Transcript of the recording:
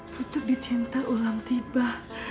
pucuk dicinta ulang tiba